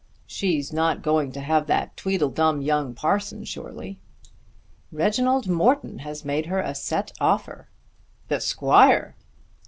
"She's not going to have that tweedledum young parson, surely?" "Reginald Morton has made her a set offer." "The squire!"